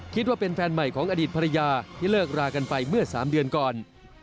คิดว่าเป็นแฟนใหม่ของอดีตภรรยาที่เลิกรากันไปเมื่อ๓เดือนก่อน